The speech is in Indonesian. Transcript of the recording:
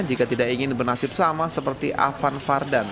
jika tidak ingin bernasib sama seperti afan fardan